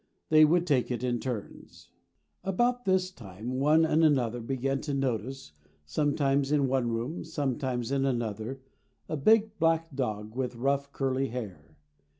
They would take it in turns. About this time one and another began to notice, sometimes in one room, sometimes in another, a big Black Dog with rough curly hair.